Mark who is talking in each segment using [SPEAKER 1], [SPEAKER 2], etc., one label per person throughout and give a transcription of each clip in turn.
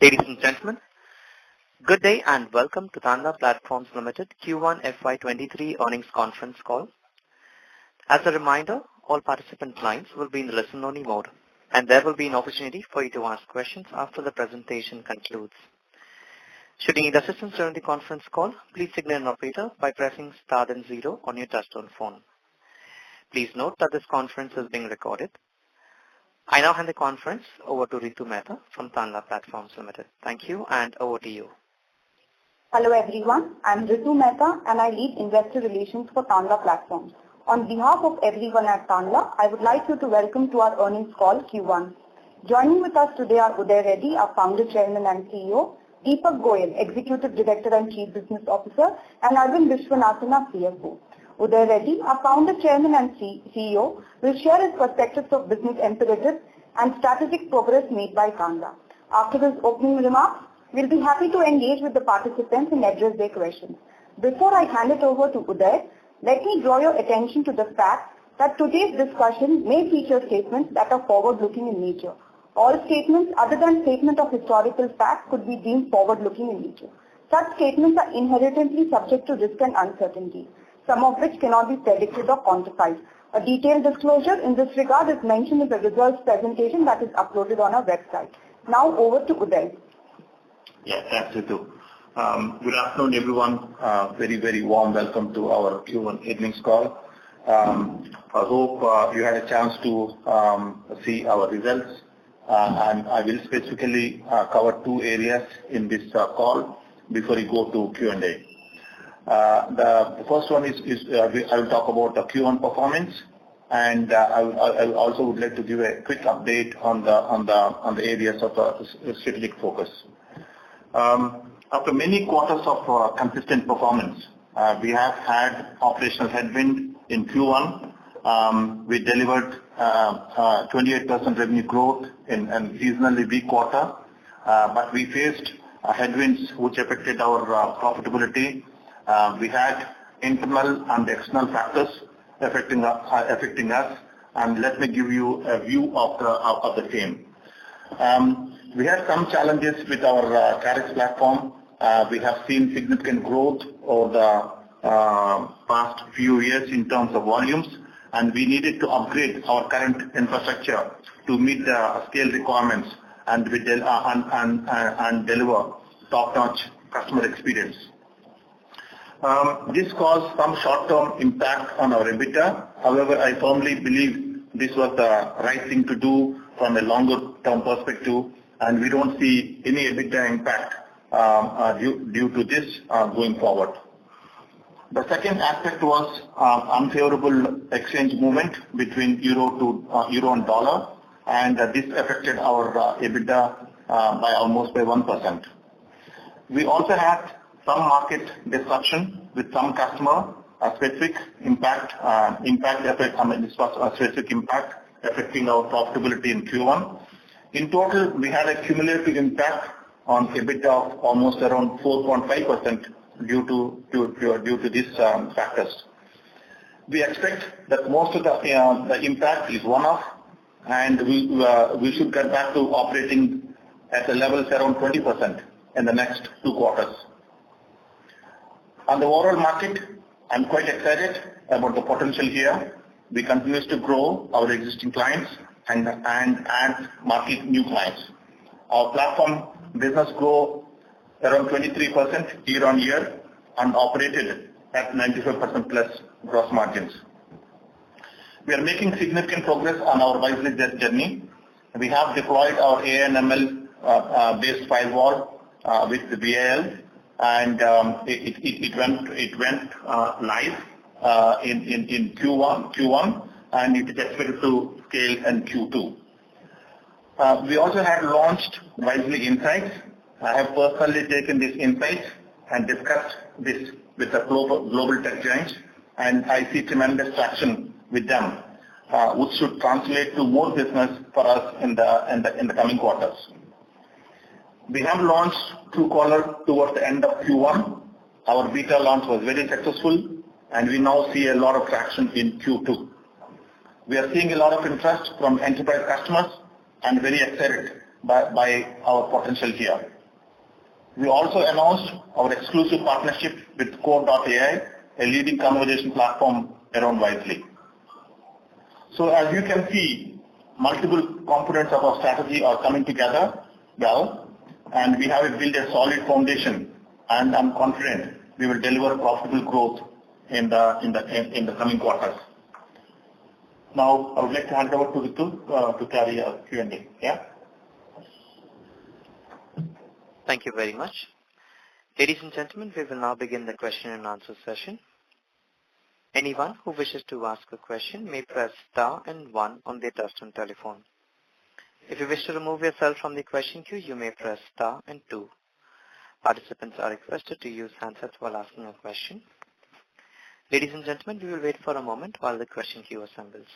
[SPEAKER 1] Ladies and gentlemen, good day, and welcome to Tanla Platforms Limited Q1 FY23 earnings conference call. As a reminder, all participant lines will be in a listen-only mode, and there will be an opportunity for you to ask questions after the presentation concludes. Should you need assistance during the conference call, please signal an operator by pressing star then zero on your touchtone phone. Please note that this conference is being recorded. I now hand the conference over to Ritu Mehta from Tanla Platforms Limited. Thank you, and over to you.
[SPEAKER 2] Hello, everyone. I'm Ritu Mehta, and I lead investor relations for Tanla Platforms. On behalf of everyone at Tanla, I would like to welcome you to our Q1 earnings call. Joining us today are Uday Reddy, our Founder, Chairman, and CEO, Deepak Goyal, Executive Director and Chief Business Officer, and Aravind Viswanathan, our CFO. Uday Reddy, our Founder, Chairman, and CEO, will share his perspectives on business imperatives and strategic progress made by Tanla. After his opening remarks, we'll be happy to engage with the participants and address their questions. Before I hand it over to Uday, let me draw your attention to the fact that today's discussion may feature statements that are forward-looking in nature. All statements other than statements of historical fact could be deemed forward-looking in nature. Such statements are inherently subject to risk and uncertainty, some of which cannot be predicted or quantified. A detailed disclosure in this regard is mentioned in the results presentation that is uploaded on our website. Now over to Uday.
[SPEAKER 3] Yes. Thanks, Ritu. Good afternoon, everyone. A very warm welcome to our Q1 earnings call. I hope you had a chance to see our results. I will specifically cover two areas in this call before we go to Q&A. The first one is I will talk about the Q1 performance, and I also would like to give a quick update on the areas of strategic focus. After many quarters of consistent performance, we have had operational headwind in Q1. We delivered 28% revenue growth in a seasonally weak quarter. We faced headwinds which affected our profitability. We had internal and external factors affecting us, and let me give you a view of the same. We had some challenges with our Karix platform. We have seen significant growth over the past few years in terms of volumes, and we needed to upgrade our current infrastructure to meet the scale requirements and deliver top-notch customer experience. This caused some short-term impact on our EBITDA. However, I firmly believe this was the right thing to do from a longer-term perspective, and we don't see any EBITDA impact due to this going forward. The second aspect was unfavorable exchange movement between euro and dollar, and this affected our EBITDA by almost 1%. We also had some market disruption with some customer, a specific impact, I mean, this was a specific impact affecting our profitability in Q1. In total, we had a cumulative impact on EBITDA of almost around 4.5% due to these factors. We expect that most of the impact is one-off, and we should get back to operating at the levels around 20% in the next two quarters. On the overall market, I'm quite excited about the potential here. We continue to grow our existing clients and add market new clients. Our platform business grow around 23% year-on-year and operated at 95%+ gross margins. We are making significant progress on our Wisely journey. We have deployed our AI/ML based firewall with the VIL, and it went live in Q1 and it is expected to scale in Q2. We also have launched Wisely Insights. I have personally taken these insights and discussed this with the global tech giants, and I see tremendous traction with them, which should translate to more business for us in the coming quarters. We have launched Truecaller towards the end of Q1. Our beta launch was very successful, and we now see a lot of traction in Q2. We are seeing a lot of interest from enterprise customers and very excited by our potential here. We also announced our exclusive partnership with Kore.ai, a leading conversation platform around Wisely. As you can see, multiple components of our strategy are coming together well, and we have built a solid foundation, and I'm confident we will deliver profitable growth in the coming quarters. Now, I would like to hand over to Ritu to carry our Q&A.
[SPEAKER 1] Thank you very much. Ladies and gentlemen, we will now begin the question and answer session. Anyone who wishes to ask a question may press star and one on their touchtone telephone. If you wish to remove yourself from the question queue, you may press star and two. Participants are requested to use handsets while asking a question. Ladies and gentlemen, we will wait for a moment while the question queue assembles.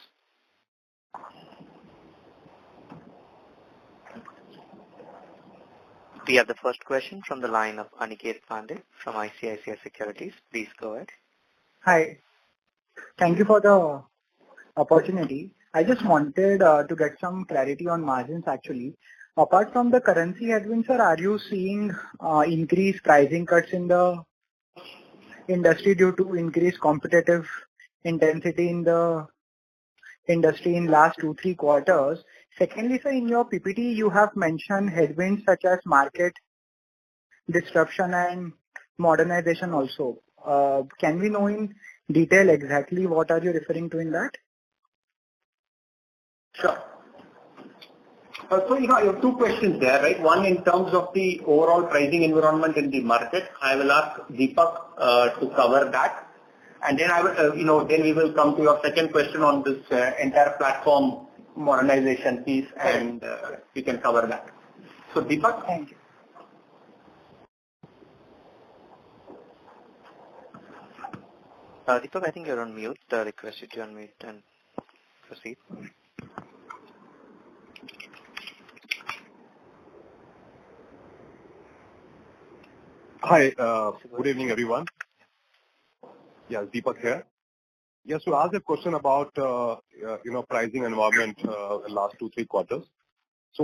[SPEAKER 1] We have the first question from the line of Aniket Pande from ICICI Securities. Please go ahead.
[SPEAKER 4] Hi. Thank you for the opportunity. I just wanted to get some clarity on margins actually. Apart from the currency headwinds, sir, are you seeing increased pricing cuts in the industry due to increased competitive intensity in the industry in last two-three quarters? Secondly, sir, in your PPT you have mentioned headwinds such as market disruption and modernization also. Can we know in detail exactly what are you referring to in that?
[SPEAKER 5] Sure. You know, you have two questions there, right? One in terms of the overall pricing environment in the market. I will ask Deepak to cover that. I will, you know, we will come to your second question on this entire platform modernization piece and we can cover that. So, Deepak?
[SPEAKER 4] Thank you.
[SPEAKER 1] Deepak, I think you're on mute. I request you to unmute and proceed.
[SPEAKER 6] Hi. Good evening, everyone. Deepak here. As the question about, you know, pricing environment in last two-three quarters.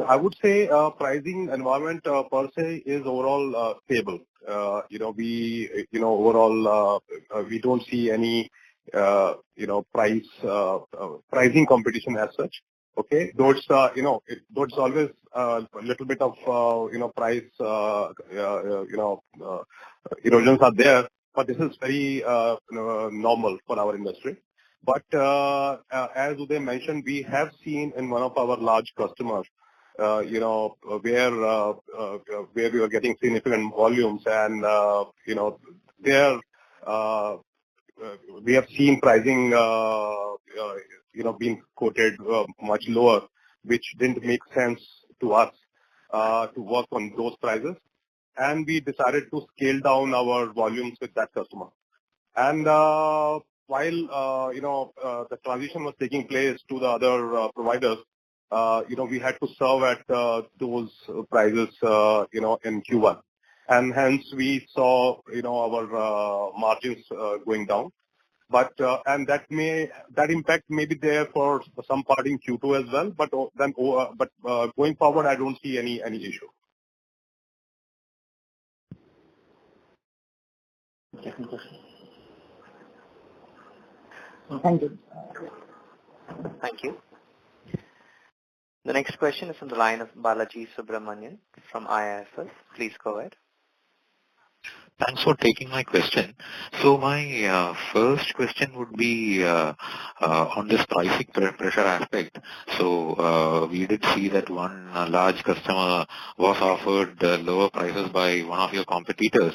[SPEAKER 6] I would say, pricing environment per se is overall stable. You know, we, you know, overall, we don't see any, you know, pricing competition as such. Okay? Though it's, you know, though it's always a little bit of, you know, price erosions are there, but this is very normal for our industry. As Uday mentioned, we have seen in one of our large customers, you know, where we are getting significant volumes and, you know, there we have seen pricing, you know, being quoted much lower, which didn't make sense to us to work on those prices. We decided to scale down our volumes with that customer. While you know, the transition was taking place to the other providers, you know, we had to serve at those prices, you know, in Q1. Hence we saw, you know, our margins going down. That impact may be there for some part in Q2 as well, but going forward, I don't see any issue.
[SPEAKER 4] Thank you.
[SPEAKER 1] Thank you. The next question is from the line of Balaji Subramanian from IIFL. Please go ahead.
[SPEAKER 7] Thanks for taking my question. My first question would be on this pricing pressure aspect. We did see that one large customer was offered lower prices by one of your competitors.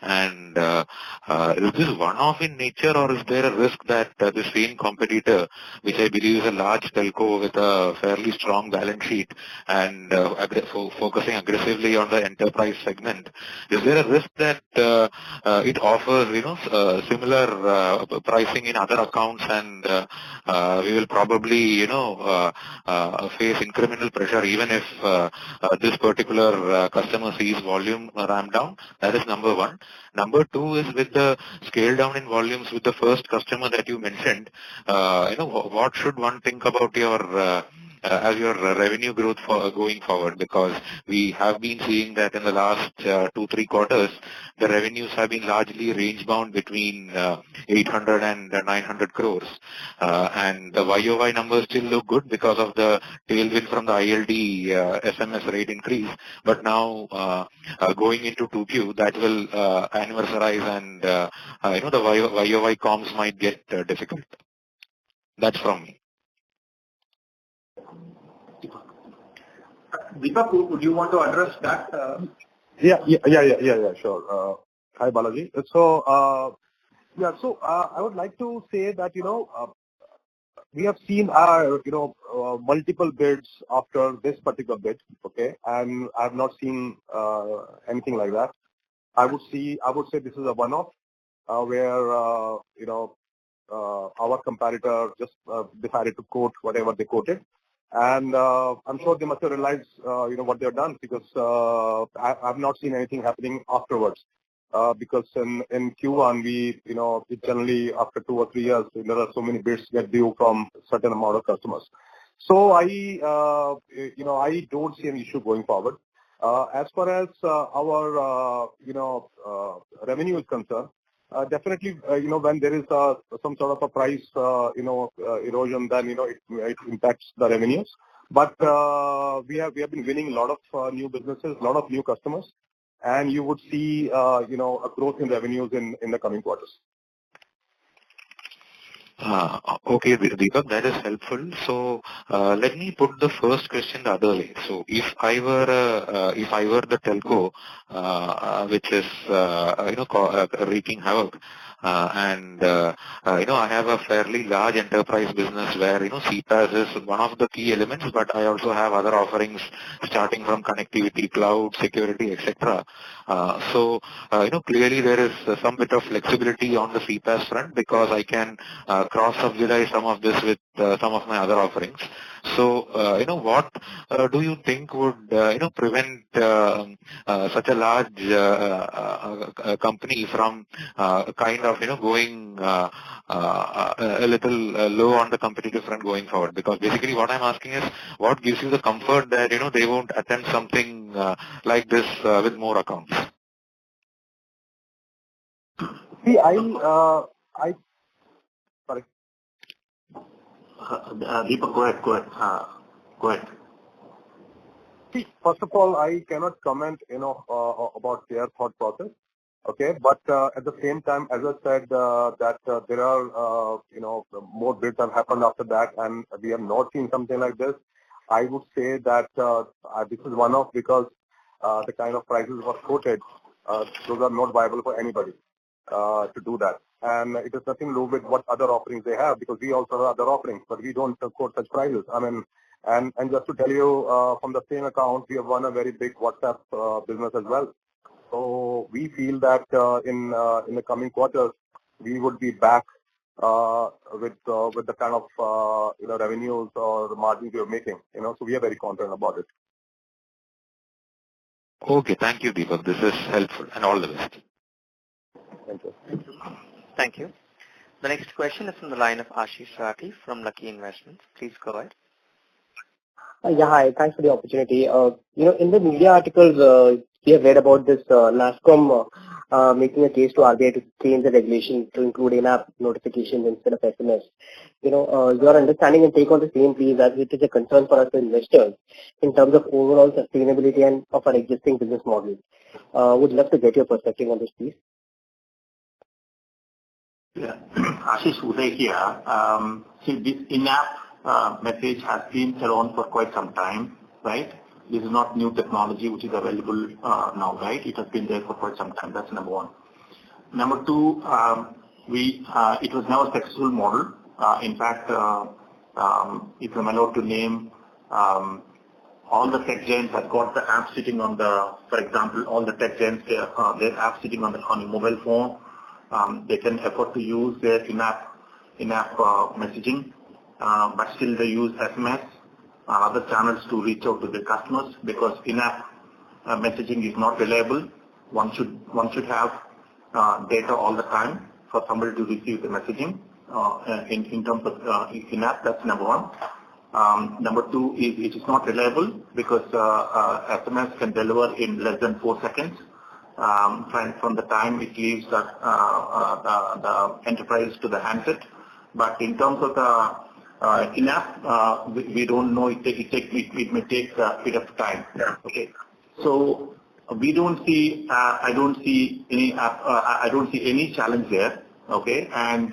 [SPEAKER 7] Is this one-off in nature or is there a risk that the same competitor, which I believe is a large telco with a fairly strong balance sheet and focusing aggressively on the enterprise segment, is there a risk that it offers, you know, similar pricing in other accounts and we will probably, you know, face incremental pressure even if this particular customer sees volume ramp down? That is number one. Number two is with the scale down in volumes with the first customer that you mentioned, you know, what should one think about your as your revenue growth for going forward? Because we have been seeing that in the last two, three quarters, the revenues have been largely range bound between 800 crore and 900 crore. And the YOY numbers still look good because of the tailwind from the ILD SMS rate increase. But now going into 2Q, that will anniversarize and you know, the YOY comps might get difficult. That's from me.
[SPEAKER 5] Deepak, would you want to address that?
[SPEAKER 6] Yeah, sure. Hi, Balaji. I would like to say that, you know, we have seen, you know, multiple bids after this particular bid, okay? I've not seen anything like that. I would say this is a one-off, where, you know, our competitor just decided to quote whatever they quoted. I'm sure they must have realized, you know, what they have done because I've not seen anything happening afterwards. Because in Q1, you know, it generally after two or three years, there are so many bids get due from certain amount of customers. I don't see an issue going forward. As far as our, you know, revenue is concerned, definitely you know when there is some sort of a price you know erosion then, you know, it impacts the revenues. We have been winning a lot of new businesses, lot of new customers, and you would see you know a growth in revenues in the coming quarters.
[SPEAKER 7] Okay. Deepak, that is helpful. Let me put the first question the other way. If I were the telco, which is, you know, wreaking havoc, and, you know, I have a fairly large enterprise business where, you know, CPaaS is one of the key elements, but I also have other offerings starting from connectivity, cloud, security, et cetera. You know, clearly there is some bit of flexibility on the CPaaS front because I can cross-subsidize some of this with some of my other offerings. What do you think would prevent such a large company from kind of, you know, going a little low on the competitive front going forward? Because basically what I'm asking is: What gives you the comfort that, you know, they won't attempt something, like this, with more accounts?
[SPEAKER 3] Deepak, go ahead.
[SPEAKER 6] See, first of all, I cannot comment, you know, about their thought process. Okay? At the same time, as I said, that there are, you know, more bids have happened after that, and we have not seen something like this. I would say that this is one-off because the kind of prices were quoted, those are not viable for anybody to do that. It has nothing to do with what other offerings they have, because we also have other offerings, but we don't support such prices. I mean. Just to tell you, from the same account, we have won a very big WhatsApp business as well. We feel that in the coming quarters, we would be back with the kind of, you know, revenues or the margins we are making, you know. We are very confident about it.
[SPEAKER 7] Okay. Thank you, Deepak. This is helpful. All the best.
[SPEAKER 6] Thank you.
[SPEAKER 3] Thank you.
[SPEAKER 1] Thank you. The next question is from the line of Ashish Rathi from Lucky Investments. Please go ahead.
[SPEAKER 8] Yeah, hi. Thanks for the opportunity. You know, in the media articles, we have read about this, NASSCOM making a case to RBI to change the regulation to include in-app notifications instead of SMS. You know, your understanding and take on the same, please, as it is a concern for us as investors in terms of overall sustainability and of our existing business model. Would love to get your perspective on this, please.
[SPEAKER 3] Yeah. Ashish, Uday here. See, this in-app message has been around for quite some time, right? This is not new technology which is available now, right? It has been there for quite some time. That's number one. Number two, it was never a successful model. In fact, if I'm allowed to name, all the tech giants have got the app sitting on the. For example, all the tech giants, their app sitting on your mobile phone. They can afford to use their in-app messaging, but still they use SMS, other channels to reach out to their customers because in-app messaging is not reliable. One should have data all the time for somebody to receive the messaging in terms of in-app. That's number one. Number two, it is not reliable because SMS can deliver in less than 4 seconds from the time it leaves the enterprise to the handset. In terms of the in-app, we don't know. It may take a bit of time.
[SPEAKER 8] Yeah.
[SPEAKER 3] Okay? So I don't see any challenge there. Okay? In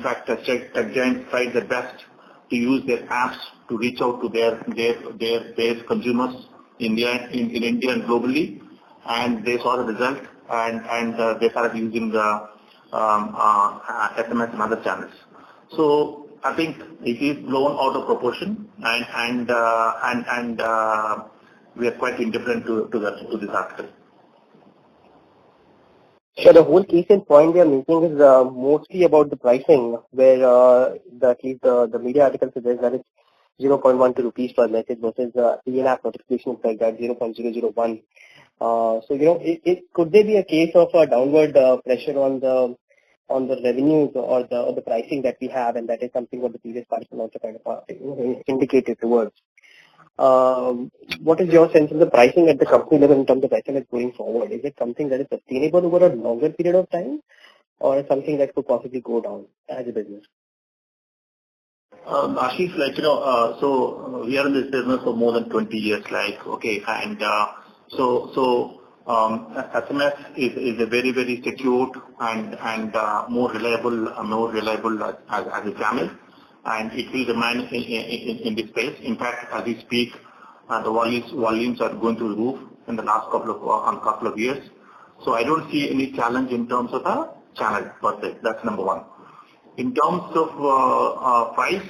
[SPEAKER 3] fact, the tech giants tried their best to use their apps to reach out to their consumers in India and globally, and they saw the result and they started using the SMS and other channels. I think it is blown out of proportion and we are quite indifferent to this article.
[SPEAKER 8] Sure. The whole case in point we are making is mostly about the pricing where the media article suggests that it's 0.12 rupees per message versus in-app notification is like 0.001. You know, it could there be a case of a downward pressure on the revenues or the pricing that we have and that is something what the previous person also kind of indicated towards? What is your sense in the pricing at the company level in terms of SMS going forward? Is it something that is sustainable over a longer period of time or something that could possibly go down as a business?
[SPEAKER 3] Ashish, you know, we are in this business for more than 20 years, like, okay. So, SMS is a very secured and more reliable as a channel, and it will remain in this space. In fact, as we speak, the volumes are going through the roof in the last couple of years. I don't see any challenge in terms of the channel per se. That's number one. In terms of price,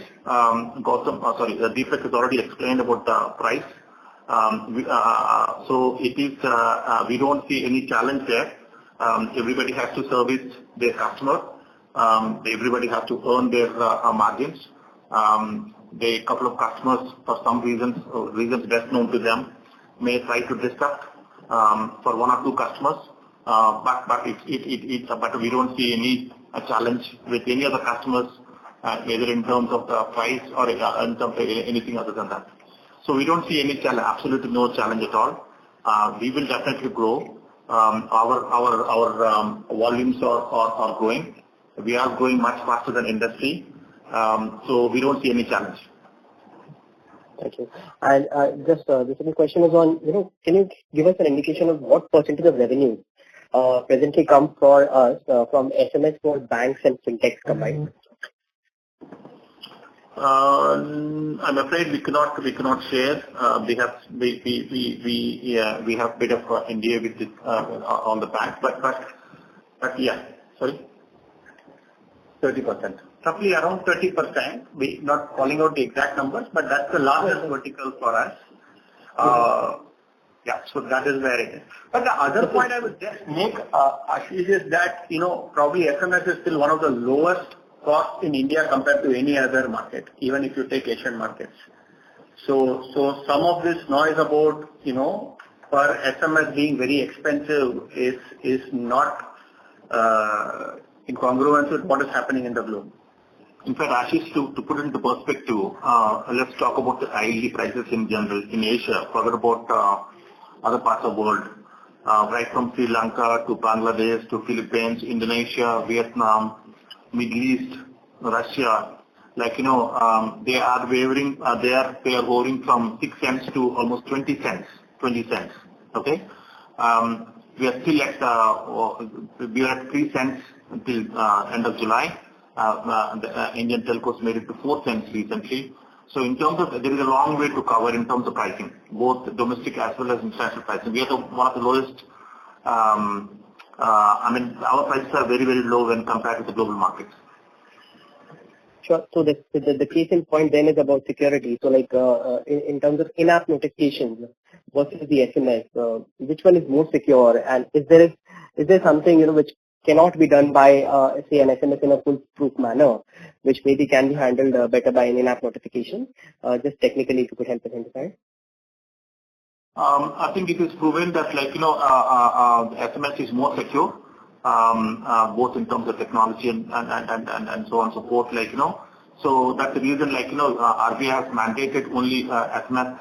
[SPEAKER 3] Gautam, sorry, Deepak has already explained about the price. We don't see any challenge there. Everybody has to service their customer. Everybody has to earn their margins. The couple of customers, for some reasons best known to them, may try to disrupt for one or two customers, but we don't see any challenge with any other customers, either in terms of the price or in terms of anything other than that. We don't see any challenge. Absolutely no challenge at all. We will definitely grow. Our volumes are growing. We are growing much faster than industry. We don't see any challenge.
[SPEAKER 8] Thank you. The second question is on, you know, can you give us an indication of what percentage of revenue presently comes from SMS for banks and fintechs combined?
[SPEAKER 3] I'm afraid we cannot share. We have a bit of NDA with it on the bank. Yeah. Sorry?
[SPEAKER 6] 30%. Roughly around 30%. We're not calling out the exact numbers, but that's the largest vertical for us. That is where it is. The other point I would just make, Ashish, is that, you know, probably SMS is still one of the lowest costs in India compared to any other market, even if you take Asian markets. Some of this noise about, you know, for SMS being very expensive is not in congruence with what is happening in the globe.
[SPEAKER 3] In fact, Ashish, to put it into perspective, let's talk about the ILD prices in general in Asia, forget about other parts of world. Right from Sri Lanka to Bangladesh to Philippines, Indonesia, Vietnam, Middle East, Russia, like, you know, they are varying from $0.06 to almost $0.20. Okay? We are still at $0.03 until end of July. The Indian telcos made it to $0.04 recently. There is a long way to cover in terms of pricing, both domestic as well as international pricing. We are one of the lowest. I mean, our prices are very, very low when compared with the global markets.
[SPEAKER 8] Sure. The case in point then is about security. Like, in terms of in-app notifications versus the SMS, which one is more secure? And is there something, you know, which cannot be done by, say, an SMS in a foolproof manner, which maybe can be handled better by an in-app notification? Just technically, if you could help us understand.
[SPEAKER 3] I think it is proven that like, you know, SMS is more secure, both in terms of technology and so on, so forth, like, you know. That's the reason like, you know, RBI has mandated only SMS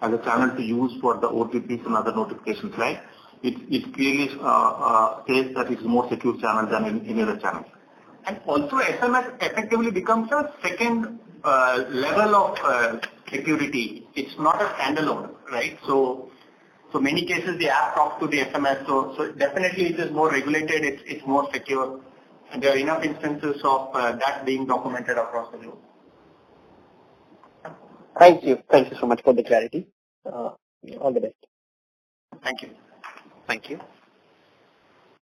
[SPEAKER 3] as a channel to use for the OTPs and other notifications, right? It clearly says that it's more secure channel than any other channel.
[SPEAKER 5] Also SMS effectively becomes a second level of security. It's not a standalone, right? Many cases the app talks to the SMS. Definitely it is more regulated, it's more secure. There are enough instances of that being documented across the globe.
[SPEAKER 8] Thank you. Thank you so much for the clarity. All the best.
[SPEAKER 3] Thank you.
[SPEAKER 1] Thank you.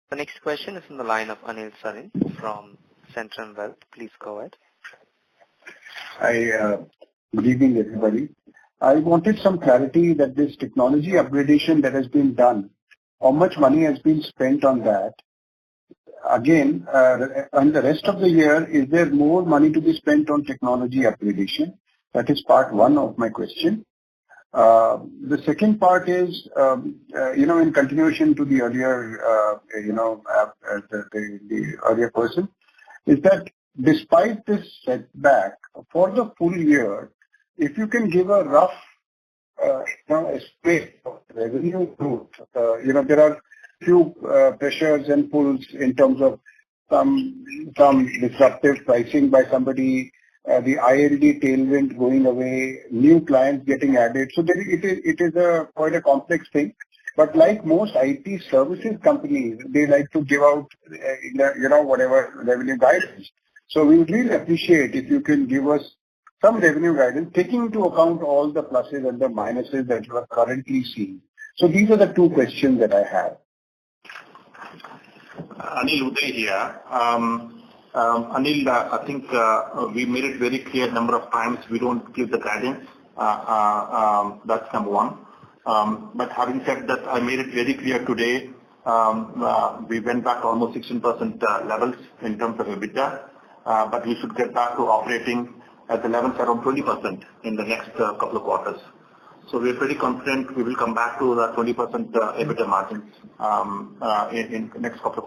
[SPEAKER 1] The next question is from the line of Anil Sarin from Centrum Wealth. Please go ahead.
[SPEAKER 9] Good evening, everybody. I wanted some clarity that this technology upgradation that has been done, how much money has been spent on that? Again, and the rest of the year, is there more money to be spent on technology upgradation? That is part one of my question. The second part is, you know, in continuation to the earlier, you know, the earlier person, is that despite this setback, for the full year, if you can give a rough estimate of revenue growth. You know, there are few pressures and pulls in terms of some disruptive pricing by somebody, the ILD tailwind going away, new clients getting added. It is quite a complex thing. Like most IT services companies, they like to give out, you know, whatever revenue guidance. We would really appreciate if you can give us some revenue guidance, taking into account all the pluses and the minuses that you are currently seeing. These are the two questions that I have.
[SPEAKER 3] Anil, Uday here. Anil, I think we made it very clear a number of times, we don't give the guidance. That's number one. Having said that, I made it very clear today. We went back almost 16% levels in terms of EBITDA, but we should get back to operating at levels around 20% in the next couple of quarters. We are pretty confident we will come back to the 20% EBITDA margins in the next couple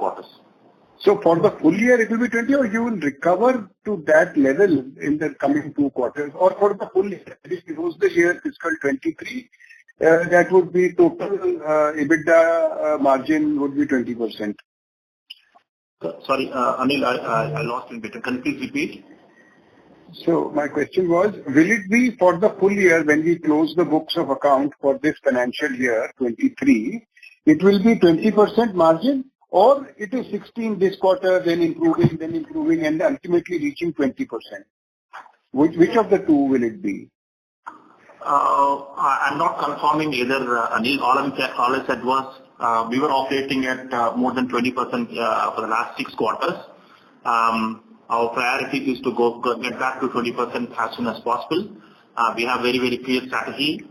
[SPEAKER 3] of quarters.
[SPEAKER 9] For the full year it will be 20% or you will recover to that level in the coming two quarters or for the full year? If we close the year fiscal 2023, that would be total EBITDA margin would be 20%.
[SPEAKER 3] Sorry, Anil, I lost a little bit. Can you please repeat?
[SPEAKER 9] My question was, will it be for the full year when we close the books of account for this financial year, 2023, it will be 20% margin or it is 16% this quarter, then improving and ultimately reaching 20%? Which of the two will it be?
[SPEAKER 3] I'm not confirming either, Anil. All I said was, we were operating at more than 20% for the last six quarters. Our priority is to get back to 20% as soon as possible. We have very clear strategy.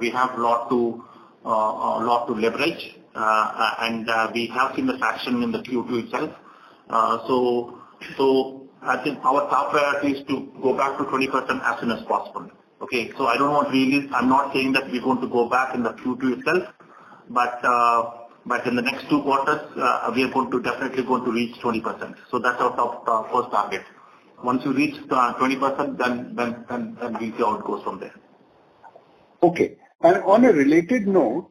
[SPEAKER 3] We have lot to leverage, and we have seen this action in the Q2 itself. I think our top priority is to go back to 20% as soon as possible. Okay? I don't want really. I'm not saying that we're going to go back in the Q2 itself, but in the next two quarters, we are going to definitely reach 20%. That's our top first target. Once you reach 20%, then we see how it goes from there.
[SPEAKER 9] Okay. On a related note,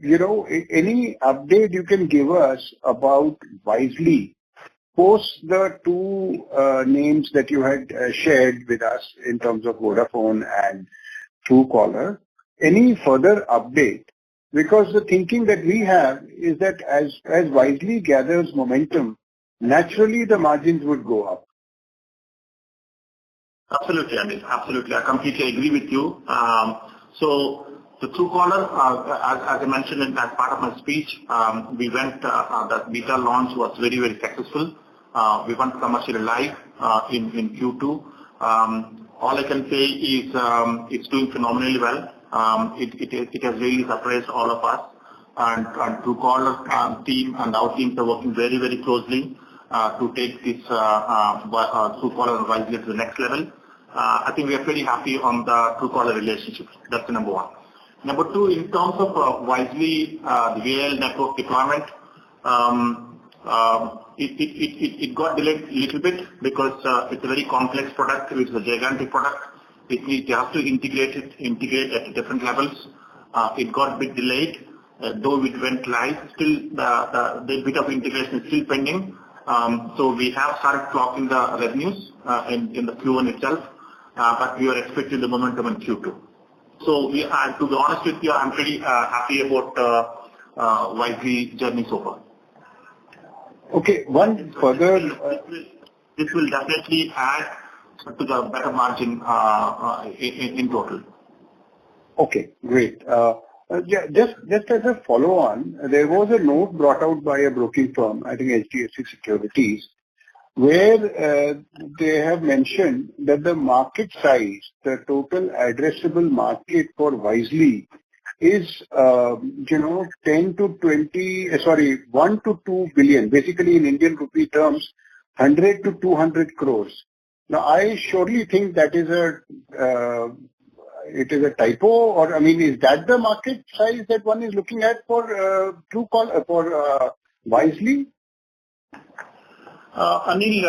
[SPEAKER 9] you know, any update you can give us about Wisely, post the two names that you had shared with us in terms of Vodafone and Truecaller? Any further update? Because the thinking that we have is that as Wisely gathers momentum, naturally the margins would go up.
[SPEAKER 3] Absolutely, Anil. Absolutely. I completely agree with you. The Truecaller, as I mentioned in that part of my speech, that beta launch was very, very successful. We went commercially live in Q2. All I can say is it's doing phenomenally well. It has really surprised all of us. Truecaller team and our teams are working very, very closely to take this Truecaller Wisely to the next level. I think we are pretty happy on the Truecaller relationships. That's number one. Number two, in terms of Wisely Vi network deployment, it got delayed a little bit because it's a very complex product. It is a gigantic product which we have to integrate it at different levels. It got a bit delayed. Though we went live, still the bit of integration is still pending. We have started clocking the revenues in the Q1 itself, but we are expecting the momentum in Q2. To be honest with you, I'm pretty happy about Wisely journey so far.
[SPEAKER 9] Okay, one further.
[SPEAKER 3] This will definitely add to the better margin in total.
[SPEAKER 9] Okay, great. Yeah, just as a follow on, there was a note brought out by a broking firm, I think HDFC Securities, where they have mentioned that the market size, the total addressable market for Wisely is, you know, 1 billion-2 billion, basically in Indian rupee terms, 100-200 crores. Now, I surely think that is a, it is a typo or, I mean, is that the market size that one is looking at for Truecaller, for Wisely?
[SPEAKER 3] Anil,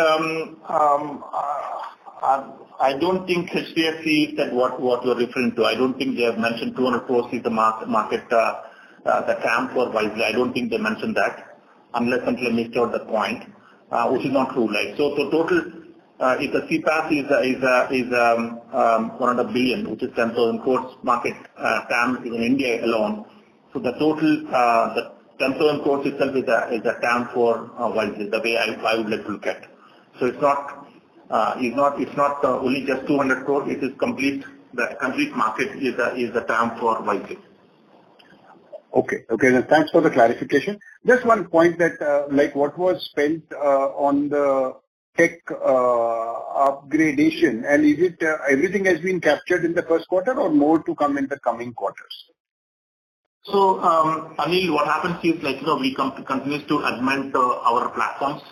[SPEAKER 3] I don't think HDFC said what you're referring to. I don't think they have mentioned 200 crores is the market, the TAM for Wisely. I don't think they mentioned that unless and until I missed out the point, which is not true, right? Total, if the CPaaS is 1.5 billion, which 10,000 crores market TAM in India alone. The total, INR 10,000 crore itself is a TAM for Wisely, the way I would like to look at. It's not only just 200 crore, it is complete, the complete market is a TAM for Wisely.
[SPEAKER 9] Okay, thanks for the clarification. Just one point that, like what was spent on the tech upgradation, and is it everything has been captured in the first quarter or more to come in the coming quarters?
[SPEAKER 3] Anil, what happens is like, you know, we continue to augment our platforms,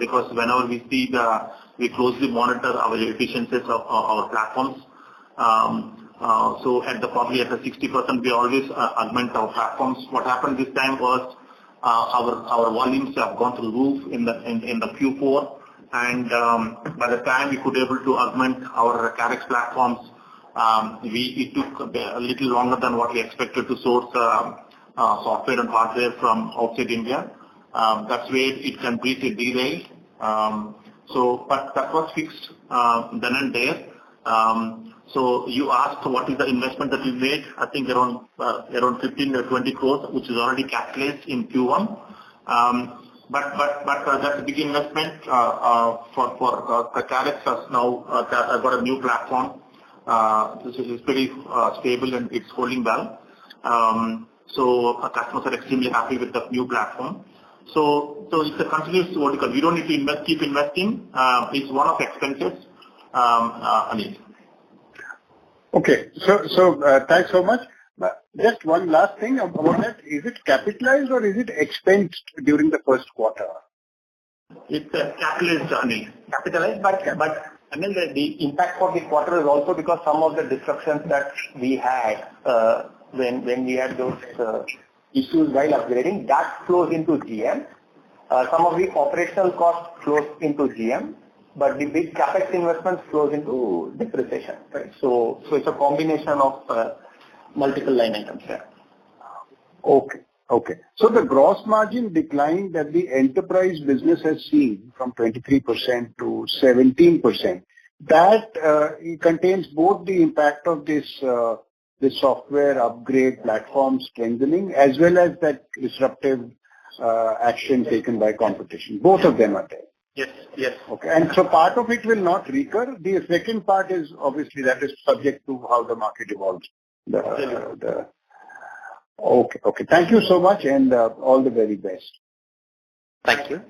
[SPEAKER 3] because whenever we see it, we closely monitor our efficiencies of our platforms. Probably at the 60%, we always augment our platforms. What happened this time was, our volumes have gone through the roof in the Q4. By the time we were able to augment our Karix platforms, it took a little longer than what we expected to source software and hardware from outside India. That's where it completely derailed, but that was fixed then and there. You asked what is the investment that we made. I think around 15-20 crores, which is already capitalized in Q1. That's a big investment. Karix has now got a new platform which is pretty stable and it's holding well. Our customers are extremely happy with the new platform. It's a continuous work. We don't need to keep investing. It's one of the expenses, Anil.
[SPEAKER 9] Thanks so much. Just one last thing about it. Is it capitalized or is it expensed during the first quarter?
[SPEAKER 5] It's capitalized, Anil. Capitalized. Anil, the impact for the quarter is also because some of the disruptions that we had when we had those issues while upgrading, that flows into GM. Some of the operational costs flows into GM, but the big CapEx investment flows into depreciation, right? It's a combination of multiple line items here.
[SPEAKER 9] Okay. Okay. So the gross margin decline that the enterprise business has seen from 23% to 17%, that it contains both the impact of this software upgrade platform strengthening as well as that disruptive action taken by competition. Both of them are there.
[SPEAKER 3] Yes. Yes.
[SPEAKER 9] Okay. Part of it will not recur. The second part is obviously that is subject to how the market evolves.
[SPEAKER 3] Absolutely.
[SPEAKER 9] Okay. Thank you so much, and all the very best.
[SPEAKER 3] Thank you.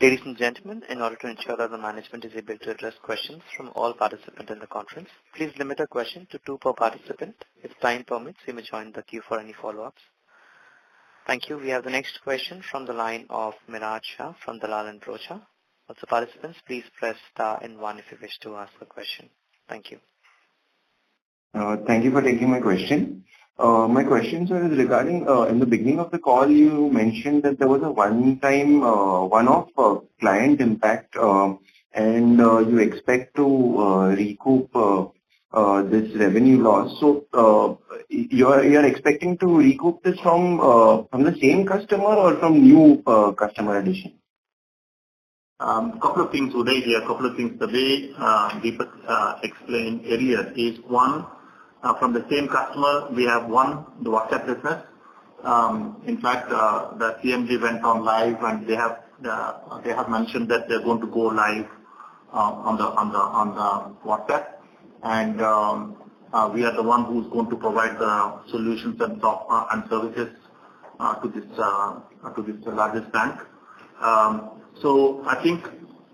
[SPEAKER 1] Ladies and gentlemen, in order to ensure that the management is able to address questions from all participants in the conference, please limit your question to two per participant. If time permits, you may join the queue for any follow-ups. Thank you. We have the next question from the line of Miraj Shah from Dalal & Broacha. Also, participants, please press star and one if you wish to ask a question. Thank you.
[SPEAKER 10] Thank you for taking my question. My question, sir, is regarding in the beginning of the call you mentioned that there was a one-time, one-off client impact, and you expect to recoup this revenue loss. You are expecting to recoup this from the same customer or from new customer addition?
[SPEAKER 3] Couple of things the way Deepak explained earlier is one, from the same customer, we have one, the WhatsApp business. In fact, the CMG went on live and they have mentioned that they're going to go live on the WhatsApp. We are the one who's going to provide the solutions and services to this largest bank. I think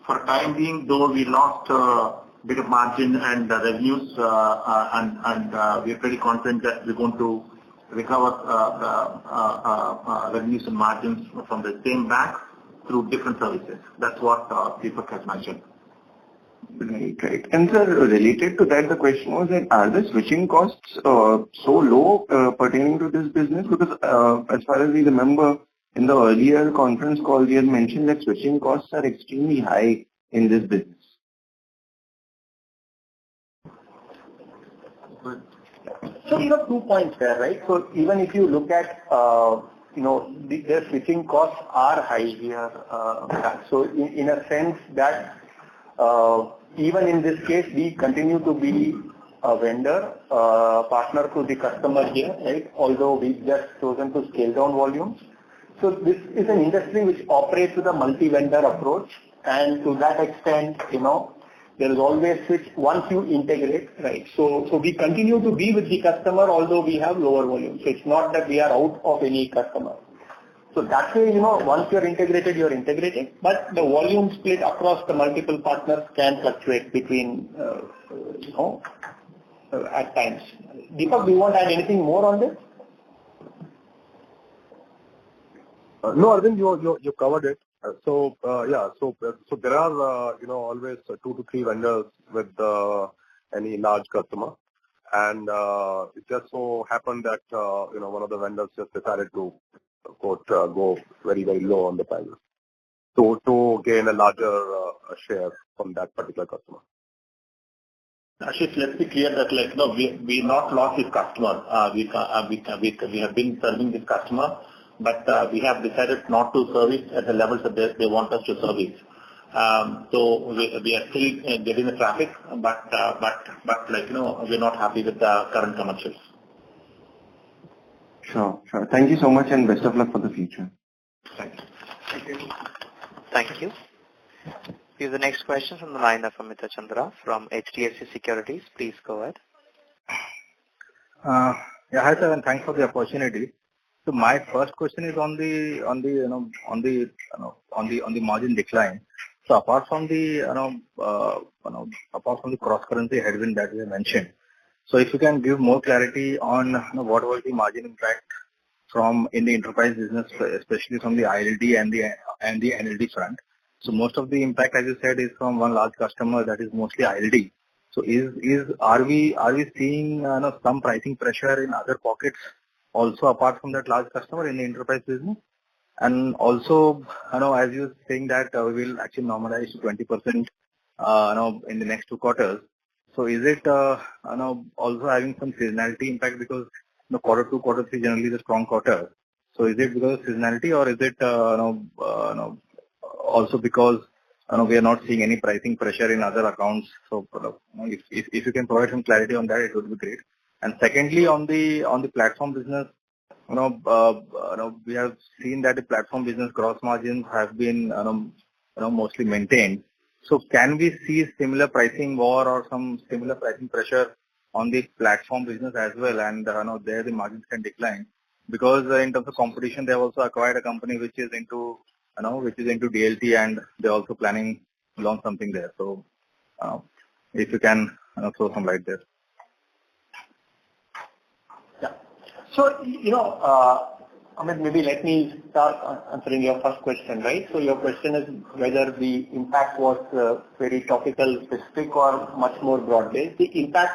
[SPEAKER 3] for time being, though we lost a bit of margin and the revenues, and we are pretty confident that we're going to Recover revenue and margins from the same banks through different services. That's what Deepak has mentioned.
[SPEAKER 10] Right. Sir, related to that, the question was, are the switching costs so low pertaining to this business? Because, as far as we remember, in the earlier conference call, we had mentioned that switching costs are extremely high in this business.
[SPEAKER 5] You know, two points there, right? Even if you look at, you know, the switching costs are high here. In a sense that, even in this case, we continue to be a vendor, partner to the customer here, right? Although we've just chosen to scale down volumes. This is an industry which operates with a multi-vendor approach, and to that extent, you know, there is always switch once you integrate, right? We continue to be with the customer, although we have lower volumes. It's not that we are out of any customer. That way, you know, once you're integrated, you're integrated, but the volume split across the multiple partners can fluctuate between, you know, at times. Deepak, do you want to add anything more on this?
[SPEAKER 6] No, Arvind, you covered it. Yeah. There are, you know, always two to three vendors with any large customer. It just so happened that, you know, one of the vendors just decided to, of course, go very, very low on the prices to gain a larger share from that particular customer.
[SPEAKER 3] Ashish, let's be clear that, like, no, we've not lost this customer. We have been serving this customer, but we have decided not to service at the levels that they want us to service. We are still getting the traffic, but like, you know, we're not happy with the current commercials.
[SPEAKER 10] Sure. Sure. Thank you so much and best of luck for the future.
[SPEAKER 5] Thank you.
[SPEAKER 6] Thank you.
[SPEAKER 1] Thank you. The next question is from the line of Amit Chandra from HDFC Securities. Please go ahead.
[SPEAKER 11] Yeah, hi sir, and thanks for the opportunity. My first question is on the margin decline. Apart from the cross-currency headwind that you mentioned. If you can give more clarity on what was the margin impact from in the enterprise business, especially from the ILD and the NLD front. Most of the impact, as you said, is from one large customer that is mostly ILD. Are we seeing, you know, some pricing pressure in other pockets also apart from that large customer in the enterprise business? And also, you know, as you're saying that we will actually normalize to 20% in the next two quarters. Is it, you know, also having some seasonality impact because, you know, quarter two, quarter three generally is a strong quarter? Is it because of seasonality or is it, you know, also because, you know, we are not seeing any pricing pressure in other accounts? You know, if you can provide some clarity on that, it would be great. Secondly, on the platform business, you know, we have seen that the platform business gross margins have been, you know, mostly maintained. Can we see similar pricing war or some similar pricing pressure on the platform business as well? You know, there the margins can decline. Because in terms of competition, they have also acquired a company which is into DLT, and they're also planning to launch something there. If you can, you know, throw some light there.
[SPEAKER 5] You know, Amit, maybe let me start answering your first question, right? Your question is whether the impact was very topical specific or much more broad-based. The impact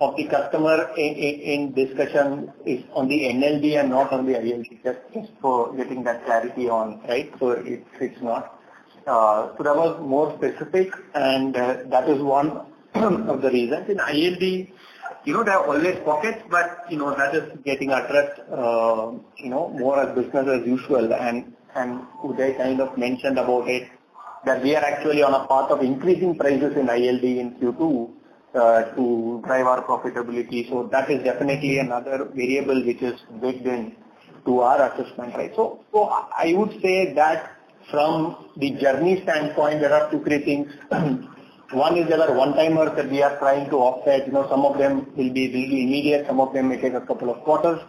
[SPEAKER 5] of the customer in discussion is on the NLD and not on the ILD. Just for getting that clarity on, right? It's not. That was more specific, and that is one of the reasons. In ILD, you know, there are always pockets, but you know, that is getting addressed more as business as usual. Uday kind of mentioned about it, that we are actually on a path of increasing prices in ILD in Q2 to drive our profitability. That is definitely another variable which is baked in to our assessment, right? I would say that from the journey standpoint, there are two, three things. One is there are one-timers that we are trying to offset. You know, some of them will be really immediate, some of them may take a couple of quarters.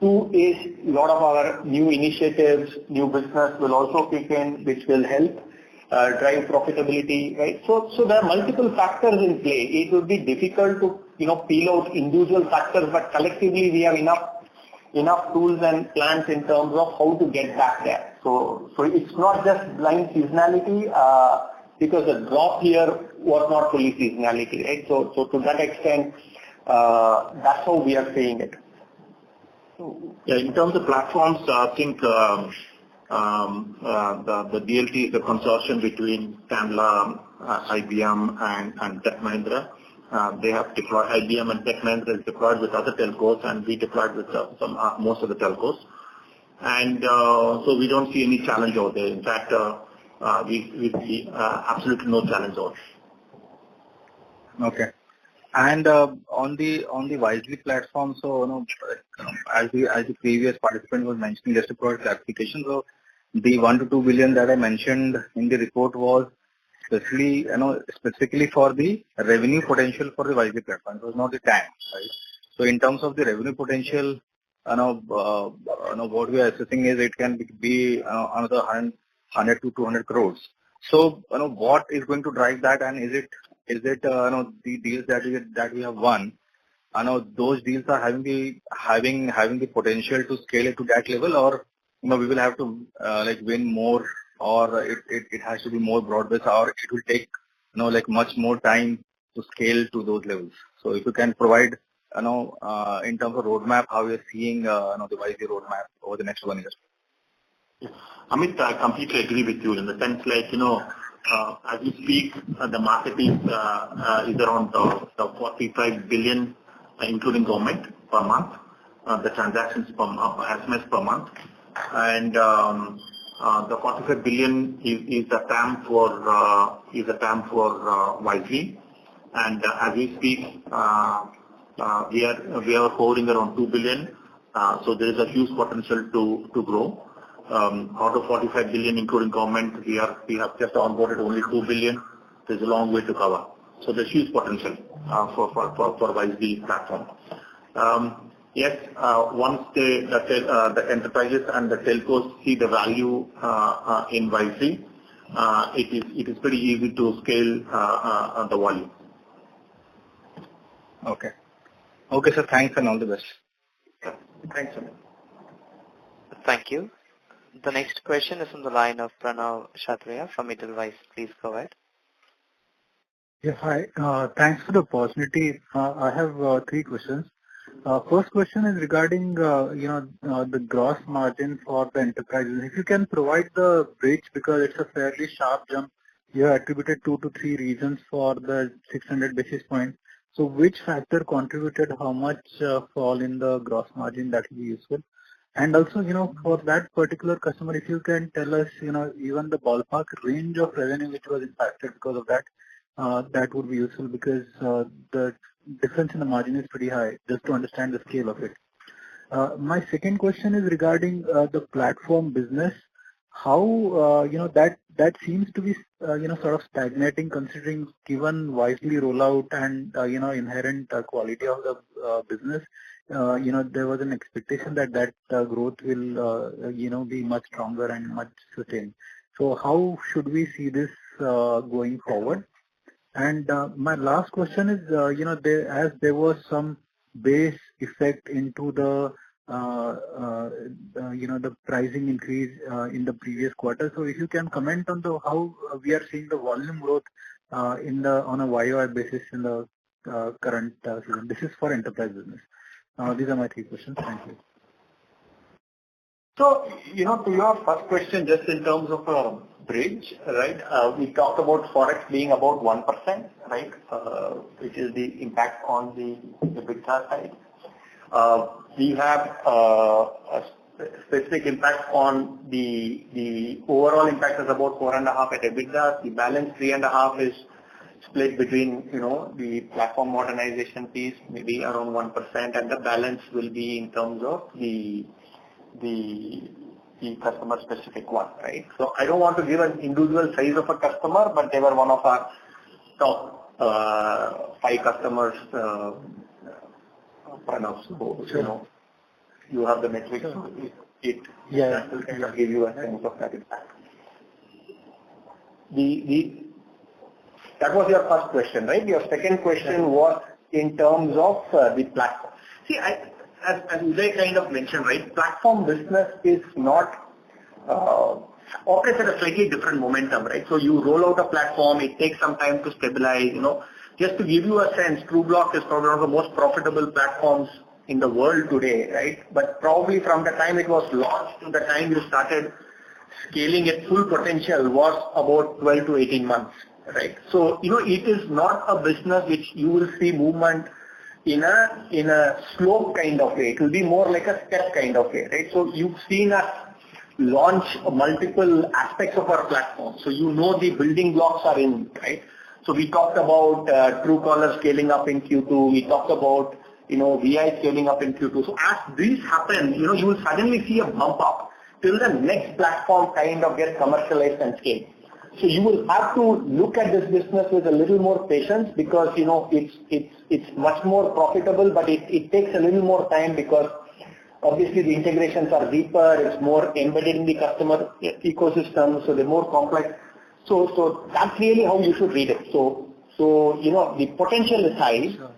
[SPEAKER 5] Two is a lot of our new initiatives, new business will also kick in, which will help drive profitability, right? There are multiple factors in play. It would be difficult to, you know, peel out individual factors, but collectively, we have enough tools and plans in terms of how to get back there. It's not just blind seasonality because the drop here was not fully seasonality, right? To that extent, that's how we are seeing it.
[SPEAKER 3] Yeah, in terms of platforms, I think, the DLT is a consortium between Tanla, IBM and Tech Mahindra. IBM and Tech Mahindra has deployed with other telcos, and we deployed with most of the telcos. We don't see any challenge out there. In fact, we see absolutely no challenge there.
[SPEAKER 11] Okay. On the Wisely platform, you know, as the previous participant was mentioning, just to provide clarification. The 1 billion-2 billion that I mentioned in the report was specifically for the revenue potential for the Wisely platform. It was not the TAM, right? In terms of the revenue potential, you know, what we are assessing is it can be another 100-200 crore. You know, what is going to drive that and is it the deals that we have won? I know those deals are having the potential to scale it to that level or, you know, we will have to, like, win more or it has to be more broad-based or it will take, you know, like, much more time to scale to those levels. If you can provide, you know, in terms of roadmap, how we are seeing, you know, the Wisely roadmap over the next one year.
[SPEAKER 5] Amit, I completely agree with you in the sense like, you know, as we speak, the market is around the 45 billion, including government per month. The transactions from SMS per month. The 45 billion is the TAM for Wisely. As we speak, we are holding around 2 billion. So there is a huge potential to grow. Out of 45 billion, including government, we have just onboarded only 2 billion. There's a long way to cover. There's huge potential for Wisely platform. Yes, once the enterprises and the telcos see the value in Wisely, it is pretty easy to scale the volume.
[SPEAKER 11] Okay. Okay, sir. Thanks and all the best.
[SPEAKER 5] Yeah. Thanks, Amit.
[SPEAKER 1] Thank you. The next question is from the line of Pranav Kshatriya from Edelweiss. Please go ahead.
[SPEAKER 12] Yeah, hi. Thanks for the opportunity. I have three questions. First question is regarding, you know, the gross margin for the enterprises. If you can provide the bridge because it's a fairly sharp jump. You have attributed two to three reasons for the 600 basis points. Which factor contributed how much fall in the gross margin that will be useful? And also, you know, for that particular customer, if you can tell us, you know, even the ballpark range of revenue which was impacted because of that would be useful because the difference in the margin is pretty high, just to understand the scale of it. My second question is regarding the platform business. How, you know, that seems to be, you know, sort of stagnating considering given Wisely rollout and, you know, inherent quality of the business. You know, there was an expectation that that growth will, you know, be much stronger and much sustained. How should we see this going forward? My last question is, you know, as there was some base effect into the, you know, the pricing increase in the previous quarter. If you can comment on how we are seeing the volume growth in the on a YOY basis in the current season. This is for enterprise business. These are my three questions. Thank you.
[SPEAKER 5] You know, to your first question, just in terms of a bridge, right? We talked about Forex being about 1%, right? Which is the impact on the EBITDA side. We have a specific impact on the overall impact is about 4.5 at EBITDA. The balance 3.5 is split between, you know, the platform modernization piece, maybe around 1%, and the balance will be in terms of the customer specific one, right? I don't want to give an individual size of a customer, but they were one of our top five customers, Pranav. You know, you have the metrics.
[SPEAKER 12] Yeah.
[SPEAKER 5] I can give you a sense of that impact. That was your first question, right? Your second question was in terms of the platform. See, I, as Uday kind of mentioned, right? Platform business operates at a slightly different momentum, right? You roll out a platform, it takes some time to stabilize, you know. Just to give you a sense, Trubloq is probably one of the most profitable platforms in the world today, right? Probably from the time it was launched to the time you started scaling its full potential was about 12-18 months, right? You know, it is not a business which you will see movement in a slope kind of way. It will be more like a step kind of way, right? You've seen us launch multiple aspects of our platform. You know the building blocks are in, right? We talked about Truecaller scaling up in Q2. We talked about, you know, Vi scaling up in Q2. As this happens, you know, you will suddenly see a bump up till the next platform kind of gets commercialized and scaled. You will have to look at this business with a little more patience because, you know, it's much more profitable, but it takes a little more time because obviously the integrations are deeper. It's more embedded in the customer ecosystem, so they're more complex. So that's really how you should read it. You know, the potential is high.
[SPEAKER 12] Sure.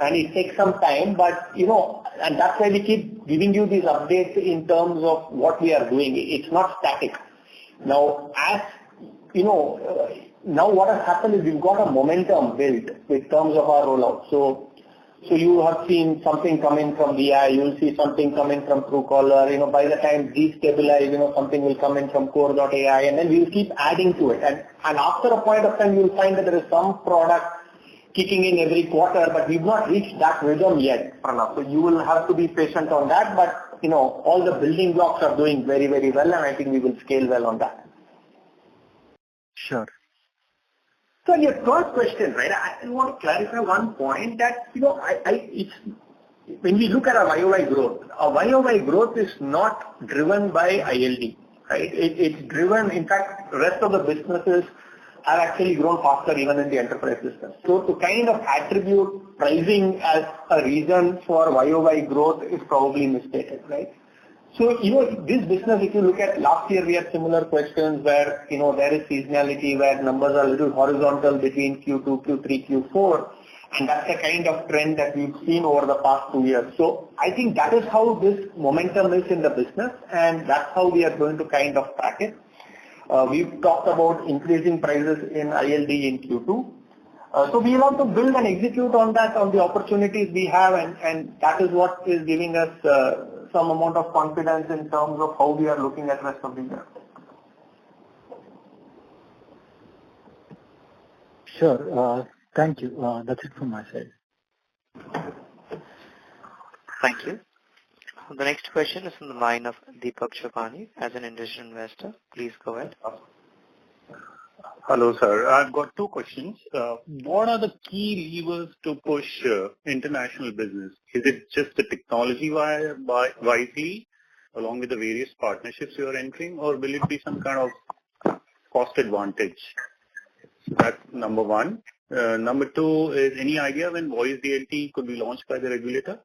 [SPEAKER 5] It takes some time. You know, that's why we keep giving you these updates in terms of what we are doing. It's not static. Now, as you know, now what has happened is we've got a momentum build in terms of our rollout. So you have seen something coming from Vi. You'll see something coming from Truecaller. You know, by the time these stabilize, you know, something will come in from Kore.ai, and then you'll keep adding to it. After a point of time, you'll find that there is some product kicking in every quarter, but we've not reached that rhythm yet, Pranav. You will have to be patient on that. You know, all the building blocks are doing very, very well, and I think we will scale well on that.
[SPEAKER 12] Sure.
[SPEAKER 5] Your first question, right? I want to clarify one point that, you know, it's when we look at our YOY growth, our YOY growth is not driven by ILD, right? It's driven, in fact, rest of the businesses have actually grown faster even in the enterprise business. To kind of attribute pricing as a reason for YOY growth is probably mistaken, right? You know, this business, if you look at last year, we had similar questions where, you know, there is seasonality, where numbers are a little horizontal between Q2, Q3, Q4, and that's the kind of trend that we've seen over the past two years. I think that is how this momentum is in the business, and that's how we are going to kind of track it. We've talked about increasing prices in ILD in Q2. We want to build and execute on that, on the opportunities we have, and that is what is giving us some amount of confidence in terms of how we are looking at rest of the year.
[SPEAKER 12] Sure. Thank you. That's it from my side.
[SPEAKER 1] Thank you. The next question is from the line of Deepak Shepani as an individual investor. Please go ahead.
[SPEAKER 13] Hello, sir. I've got two questions. What are the key levers to push international business? Is it just the technology by Wisely along with the various partnerships you are entering, or will it be some kind of cost advantage? That's number one. Number two, is any idea when voice DLT could be launched by the regulator?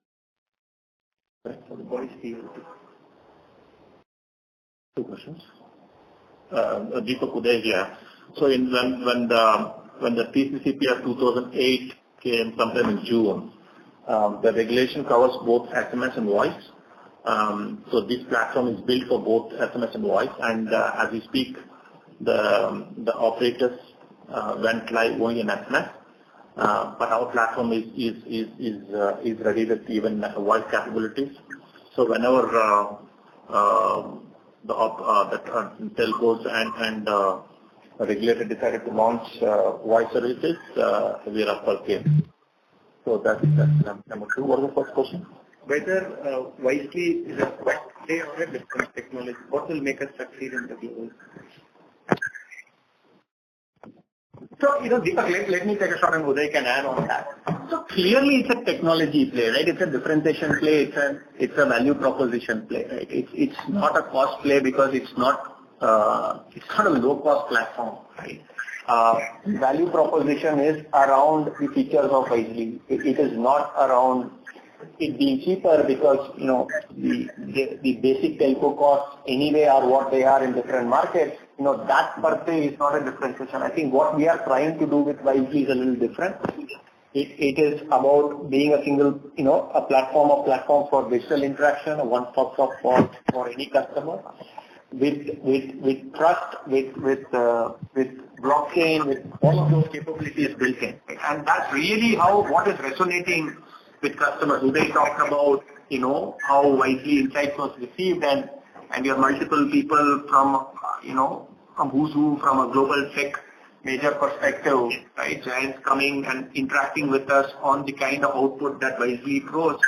[SPEAKER 5] DLT. Two questions.
[SPEAKER 3] Deepak, Uday, here.
[SPEAKER 5] When the TCCCPR 2008 came sometime in June, the regulation covers both SMS and voice. This platform is built for both SMS and voice, and as we speak, the operators went live only in SMS. But our platform is ready with even voice capabilities. Whenever the telcos and regulator decided to launch voice services, we are up gain. That is answer number two. What was the first question?
[SPEAKER 13] Whether Wisely is a cost play or a different technology, what will make us succeed in the global?
[SPEAKER 5] You know, Deepak, let me take a shot and Uday can add on that. Clearly it's a technology play, right? It's a differentiation play. It's a value proposition play, right? It's not a cost play because it's not a low-cost platform, right? Value proposition is around the features of Wisely. It is not around it being cheaper because, you know, the basic telco costs anyway are what they are in different markets. You know, that per se is not a differentiation. I think what we are trying to do with Wisely is a little different. It is about being a single, you know, a platform of platforms for digital interaction, a one stop shop for any customer with trust, with blockchain, with all of those capabilities built in. That's really how what is resonating with customers. Uday talked about, you know, how Wisely Insights was received and we have multiple people from, you know, from who's who from a global tech major perspective, right? Giants coming and interacting with us on the kind of output that Wisely throws.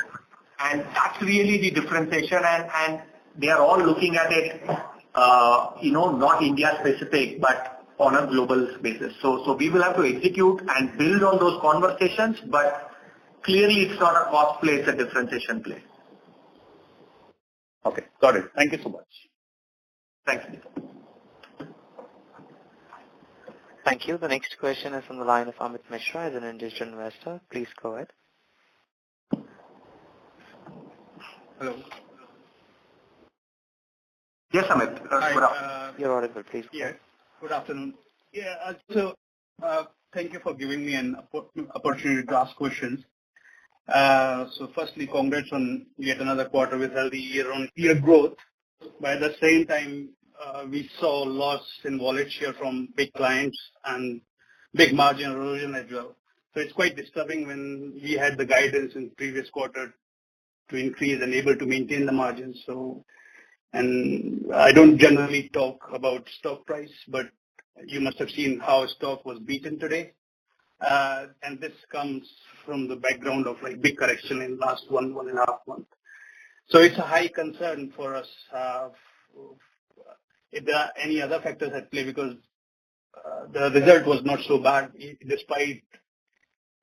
[SPEAKER 5] That's really the differentiation. They are all looking at it, you know, not India specific, but on a global basis. So we will have to execute and build on those conversations, but clearly it's not a cost play, it's a differentiation play.
[SPEAKER 13] Okay. Got it. Thank you so much.
[SPEAKER 5] Thanks, Deepak.
[SPEAKER 1] Thank you. The next question is from the line of Amit Mishra, as an individual investor. Please go ahead.
[SPEAKER 14] Hello.
[SPEAKER 5] Yes, Amit. Good afternoon.
[SPEAKER 1] You're audible. Please go ahead.
[SPEAKER 14] Good afternoon. Thank you for giving me an opportunity to ask questions. Firstly, congrats on yet another quarter with healthy year-on-year growth. At the same time, we saw loss in wallet share from big clients and big margin erosion as well. It's quite disturbing when we had the guidance in previous quarter to increase and able to maintain the margins. I don't generally talk about stock price, but you must have seen how stock was beaten today. This comes from the background of, like, big correction in last one and a half month. It's a high concern for us. If there are any other factors at play, because the result was not so bad despite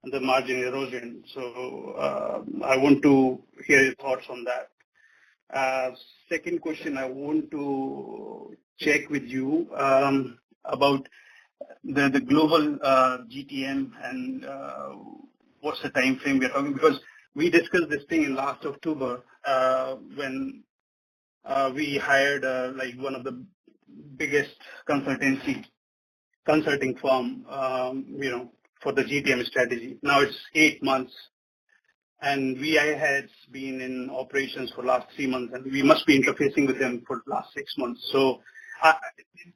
[SPEAKER 14] the margin erosion. I want to hear your thoughts on that. Second question I want to check with you about the global GTM and what's the timeframe we are having. Because we discussed this thing in last October when we hired like one of the biggest consulting firm you know for the GTM strategy. Now it's eight months, and Vi has been in operations for last three months, and we must be interfacing with them for the last six months.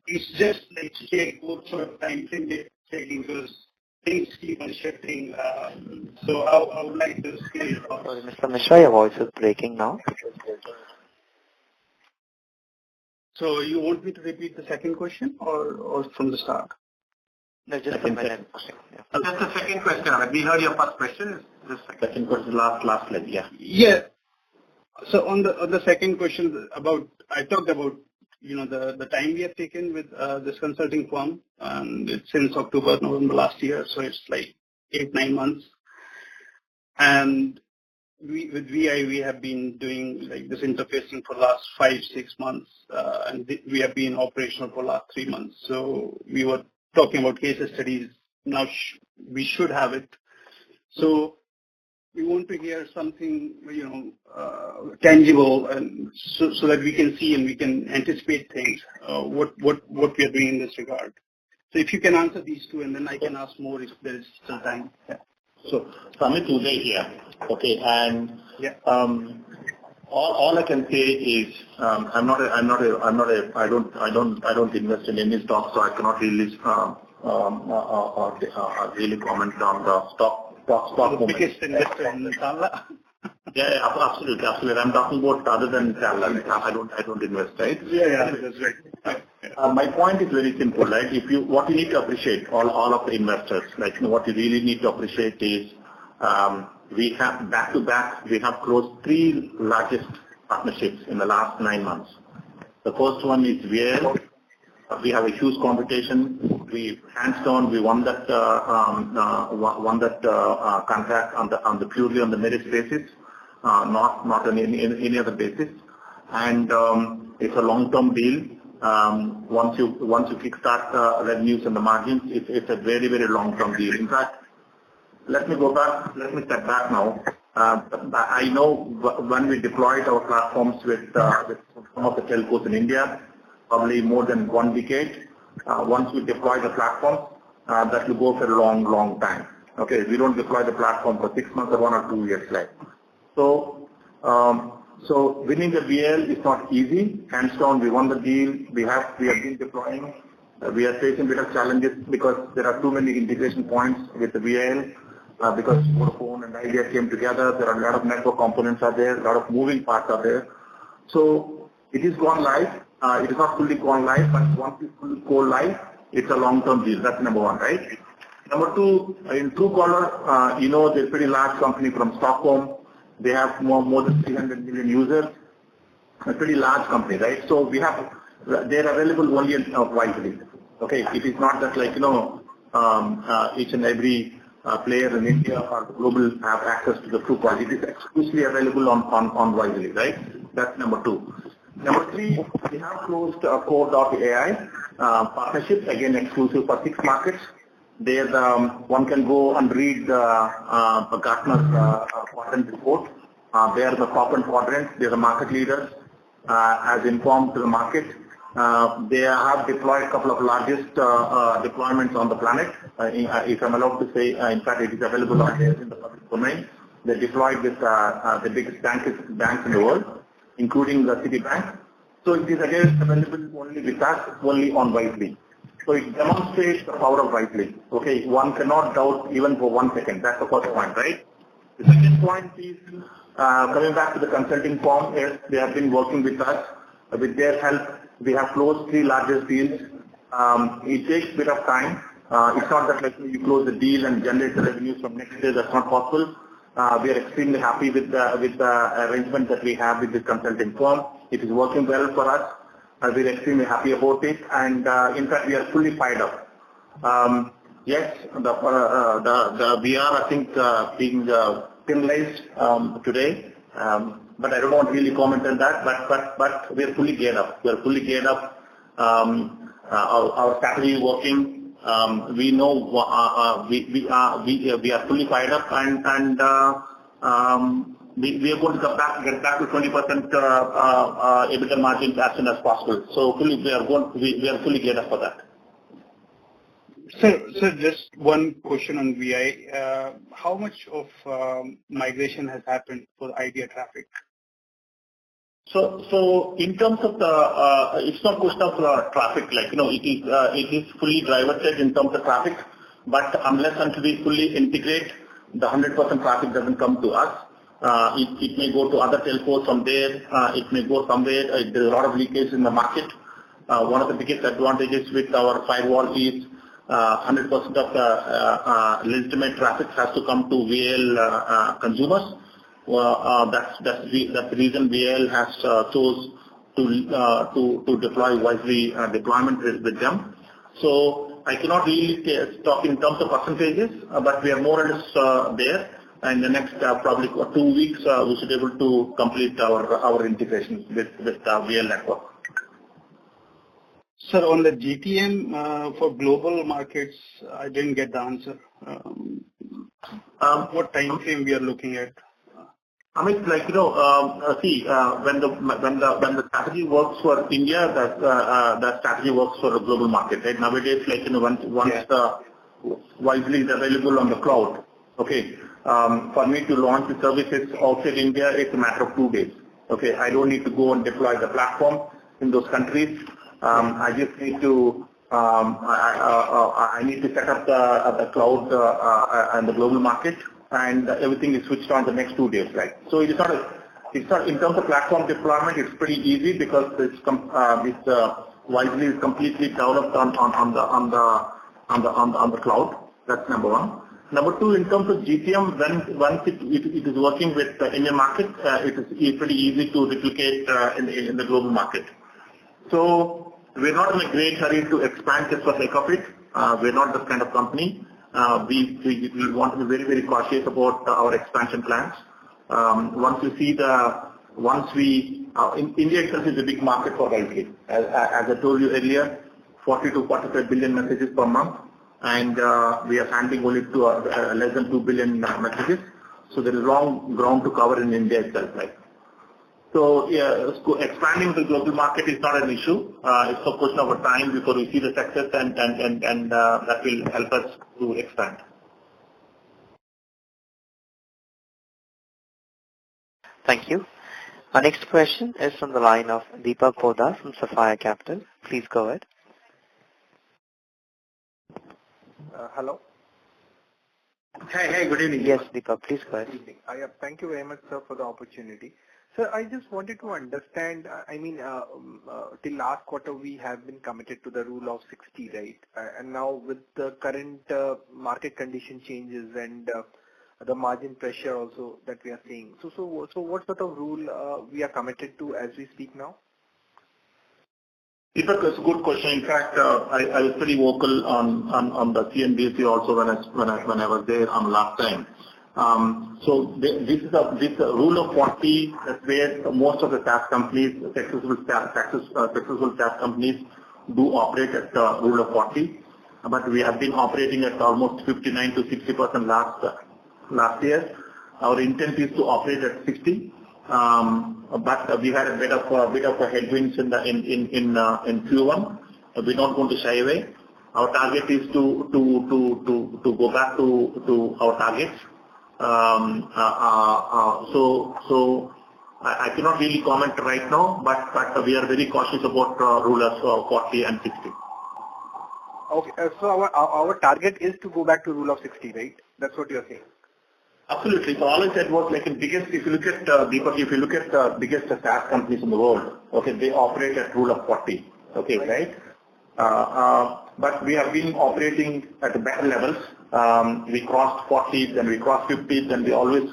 [SPEAKER 14] It's just like, hey, what's your timeframe there, because things keep on shifting. How would you like to scale your thoughts?
[SPEAKER 1] Sorry, Mr. Mishra, your voice is breaking now.
[SPEAKER 14] You want me to repeat the second question or from the start?
[SPEAKER 1] No, just the second question. Yeah.
[SPEAKER 5] Just the second question, Amit. We heard your first question. Just the second question.
[SPEAKER 1] Second question. Last leg. Yeah.
[SPEAKER 14] On the second question about. I talked about the time we have taken with this consulting firm. It's since October, November last year, so it's like eight-nine months. With Vi, we have been doing this interfacing for the last five-six months, and we have been operational for last three months. We were talking about case studies. Now we should have it. We want to hear something tangible, so that we can see and we can anticipate things. What we are doing in this regard. If you can answer these two, and then I can ask more if there's still time.
[SPEAKER 3] Amit, Uday here. Okay.
[SPEAKER 14] Yeah.
[SPEAKER 3] All I can say is I don't invest in any stock, so I cannot really comment on the stock movement.
[SPEAKER 14] The biggest investor in Tanla.
[SPEAKER 3] Yeah. Absolutely. I'm talking about other than Tanla. I don't invest, right?
[SPEAKER 14] Yeah. Yeah. That's right.
[SPEAKER 3] My point is very simple, right? What you need to appreciate, all of the investors, like what you really need to appreciate is, we have back to back, we have closed three largest partnerships in the last nine months. The first one is VIL. We have a huge competition. We hands down, we won that contract purely on the merit basis, not on any other basis. It's a long-term deal. Once you kickstart the revenues and the margins, it's a very long term deal. In fact, let me go back. Let me step back now. I know when we deployed our platforms with some of the telcos in India, probably more than one decade, once we deploy the platform, that will go for a long, long time. Okay. We don't deploy the platform for six months or one or two years, right. Winning the VIL is not easy. Hands down, we won the deal. We are being deploying. We are facing a bit of challenges because there are too many integration points with the VIL, because Vodafone and Idea came together. There are a lot of network components are there, a lot of moving parts are there. It is gone live. It is not fully gone live, but once it's fully go live, it's a long-term deal. That's number one, right? Number two, in Truecaller, you know they're a pretty large company from Stockholm. They have more than 300 million users. A pretty large company, right? They're available only on Wisely. Okay? It is not that like, you know, each and every player in India or global have access to Truecaller. It is exclusively available on Wisely, right? That's number two. Number three, we have closed our Kore.ai partnerships, again, exclusive for six markets. One can go and read Gartner's quadrant report. They are in the top end quadrant. They're the market leaders, as informed to the market. They have deployed a couple of largest deployments on the planet. If I'm allowed to say, in fact, it is available out there in the public domain. They deployed with the biggest banks in the world, including the Citibank. It is again available only with us, only on Wisely. It demonstrates the power of Wisely, okay? One cannot doubt even for one second. That's the first point, right? The second point is coming back to the consulting firm. Yes, they have been working with us. With their help, we have closed three larger deals. It takes a bit of time. It's not that like we close the deal and generate the revenue from next day. That's not possible. We are extremely happy with the arrangement that we have with this consulting firm. It is working well for us. We're extremely happy about it. In fact, we are fully fired up. Yes, we are, I think, being penalized today. I don't want to really comment on that. We are fully geared up. Our strategy is working. We are fully fired up and we are going to come back, get back to 20% EBITDA margins as soon as possible. We are fully geared up for that.
[SPEAKER 14] Sir, just one question on Vi. How much of migration has happened for Idea traffic?
[SPEAKER 3] It's not a question of traffic, like, you know, it is fully divested in terms of traffic. But unless and until we fully integrate, the 100% traffic doesn't come to us. It may go to other telcos from there. It may go somewhere. There's a lot of leakage in the market. One of the biggest advantages with our firewall is 100% of legitimate traffic has to come to VIL consumers. That's the reason VIL has chose to deploy Wisely deployment with them. I cannot really say, talk in terms of percentages, but we are more or less there. In the next probably two weeks, we should be able to complete our integration with VIL network.
[SPEAKER 14] Sir, on the GTM, for global markets, I didn't get the answer. What time frame we are looking at?
[SPEAKER 3] Amit, like, you know, see when the strategy works for India that strategy works for a global market, right? Nowadays, like, you know, once the Wisely is available on the cloud, okay, for me to launch the services outside India, it's a matter of two days, okay? I don't need to go and deploy the platform in those countries. I just need to set up the cloud in the global market and everything is switched on the next two days, right? In terms of platform deployment, it's pretty easy because Wisely is completely developed on the cloud. That's number one. Number two, in terms of GTM, when it is working with the Indian markets, it is pretty easy to replicate in the global market. We're not in a great hurry to expand just for the sake of it. We're not that kind of company. We want to be very cautious about our expansion plans. In India itself is a big market for healthcare. As I told you earlier, 40-45 billion messages per month, and we are handling only less than 2 billion messages. There is long ground to cover in India itself, right? Expanding to global market is not an issue. It's a question of time before we see the success and that will help us to expand.
[SPEAKER 1] Thank you. Our next question is from the line of Deepak Poddar from Sapphire Capital. Please go ahead.
[SPEAKER 15] Hello.
[SPEAKER 3] Hey. Hey, good evening.
[SPEAKER 1] Yes, Deepak, please go ahead.
[SPEAKER 15] Thank you very much, sir, for the opportunity. Sir, I just wanted to understand, I mean, the last quarter we have been committed to the Rule of 60, right? Now with the current market condition changes and the margin pressure also that we are seeing. What sort of rule we are committed to as we speak now?
[SPEAKER 3] Deepak, that's a good question. In fact, I was pretty vocal on the CNBC also when I was there last time. This is the Rule of 40, that's where most of the SaaS companies, successful SaaS companies do operate at Rule of 40. We have been operating at almost 59%-60% last year. Our intent is to operate at 60%. We had a bit of a headwinds in Q1. We're not going to shy away. Our target is to go back to our targets. I cannot really comment right now, but we are very cautious about the Rule of 40 and Rule of 60.
[SPEAKER 15] Okay. Our target is to go back to Rule of 60, right? That's what you're saying.
[SPEAKER 3] Absolutely. All I said was like the biggest. If you look at. Deepak, if you look at the biggest tech companies in the world, okay, they operate at Rule of 40. Okay, right? But we have been operating at better levels. We crossed 40s, then we crossed 50s, then we always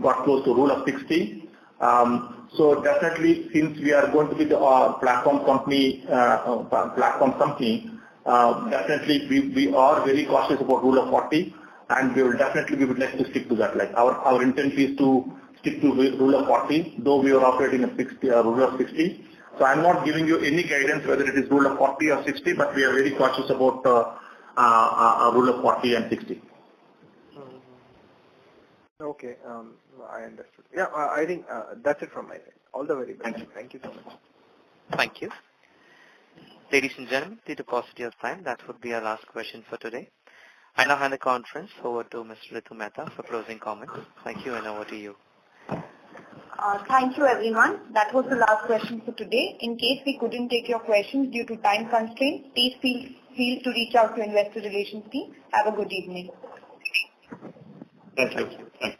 [SPEAKER 3] got close to Rule of 60. Definitely since we are going to be the platform company, definitely we are very cautious about Rule of 40, and we will definitely would like to stick to that. Like, our intent is to stick to Rule of 40, though we are operating at Rule of 60. I'm not giving you any guidance whether it is Rule of 40 or Rule of 60, but we are very cautious about Rule of 40 and Rule of 60.
[SPEAKER 15] Okay. I understood. Yeah, I think that's it from my side. All the very best.
[SPEAKER 3] Thank you.
[SPEAKER 15] Thank you so much.
[SPEAKER 1] Thank you. Ladies and gentlemen, due to paucity of time, that would be our last question for today. I now hand the conference over to Ms. Ritu Mehta for closing comments. Thank you, and over to you.
[SPEAKER 2] Thank you, everyone. That was the last question for today. In case we couldn't take your questions due to time constraints, please feel free to reach out to investor relations team. Have a good evening.
[SPEAKER 3] Okay. Thank you. Bye.